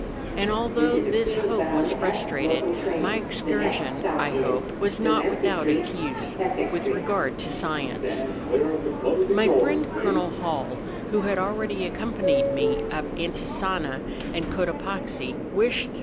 And, although this hope was frustrated, my excursion, I hope, was not without its use with regard to science. My friend. Colonel Hall, who had already ac¬ companied me up Antisana and Cotopaxi, wished E t '• 4 •^*«'